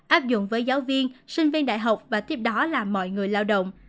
áp dụng với giáo viên sinh viên đại học và tiếp đó là mọi người lao động